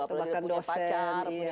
apalagi punya pacar